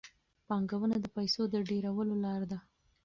پانګونه د پیسو د ډېرولو لار ده.